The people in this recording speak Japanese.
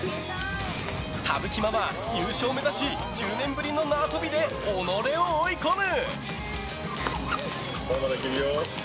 田吹ママ、優勝目指し１０年ぶりの縄跳びで己を追い込む！